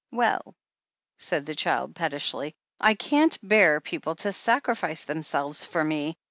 "Well," said the child pettishly, "I can't bear people to sacrifice themselves for me.